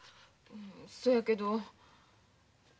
そやけど。